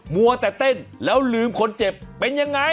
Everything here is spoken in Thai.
มัวแต่เต้นแล้วลืมคนเจ็บเป็นยังไง